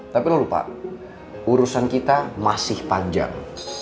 tapi lo lupa urusan kita masih panjang